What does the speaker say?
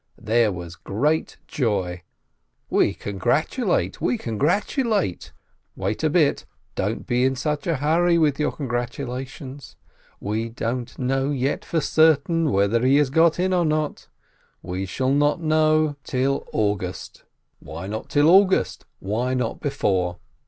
There was great joy — we congratulate! we con gratulate! Wait a bit, don't be in such a hurry with your congratulations ! We don't know yet for certain whether he has got in or not. We shall not know till GYMNASIYE 167 August. Why not till August? Why not before?